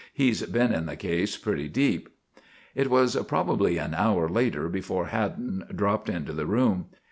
He's been in the case pretty deep." It was probably an hour later before Haddon dropped into the room.